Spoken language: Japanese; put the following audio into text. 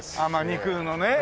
肉のね。